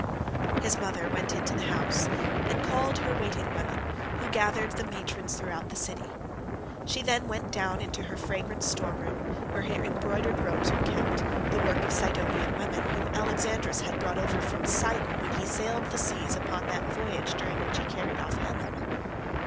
His mother went into the house and called her waiting women who gathered the matrons throughout the city. She then went down into her fragrant store room, where her embroidered robes were kept, the work of Sidonian women, whom Alexandrus had brought over from Sidon when he sailed the seas upon that voyage during which he carried off Helen.